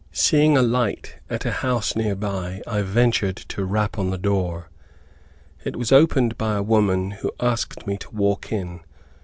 Seeing a light at a house near by, I ventured to rap on the door. It was opened by a woman, who asked me to walk in.